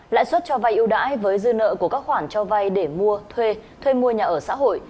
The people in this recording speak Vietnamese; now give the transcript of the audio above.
lãi suất cho vay yêu đãi với dư nợ của các khoản cho vay để mua thuê thuê mua nhà ở xã hội